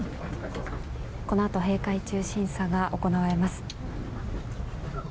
このあと閉会中審査が行われます。